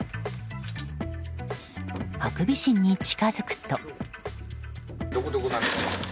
ハクビシンに近づくと。